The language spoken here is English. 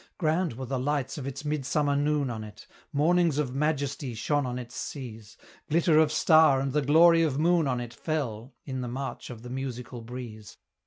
Grand were the lights of its midsummer noon on it Mornings of majesty shone on its seas; Glitter of star and the glory of moon on it Fell, in the march of the musical breeze.